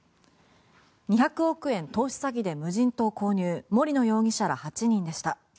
２００億円投資詐欺で無人島購入森野容疑者ら８人でした。